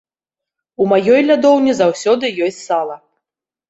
У маёй лядоўні заўсёды ёсць сала!!!